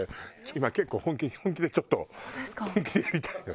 今結構本気でちょっと本気でやりたいのよ。